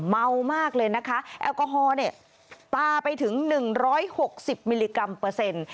เมามากเลยนะคะแอลกอฮอล์เนี่ยปลาไปถึง๑๖๐มิลลิกรัมเปอร์เซ็นต์